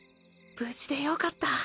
無事でよかった。